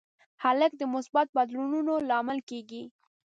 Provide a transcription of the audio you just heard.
هلک د مثبتو بدلونونو لامل کېږي.